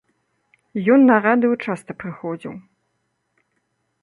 Ён на радыё часта прыходзіў.